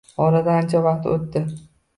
Oradan ancha vaqt o`tdi